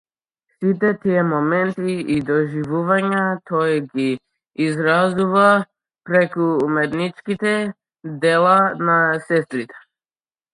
Сите тие моменти и доживувања тој ги изразува преку уметничките дела на сестрите.